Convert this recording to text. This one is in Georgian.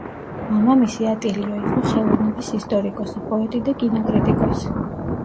მამამისი, ატილიო, იყო ხელოვნების ისტორიკოსი, პოეტი და კინო კრიტიკოსი.